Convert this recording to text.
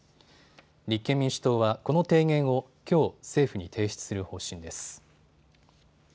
立憲民主党はこの提言をきょう、政府に提出する方針です。